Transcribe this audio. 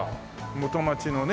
元町のね。